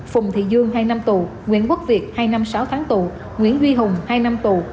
phùng thị dương hai năm tù nguyễn quốc việt hai năm sáu tháng tù nguyễn duy hùng hai năm tù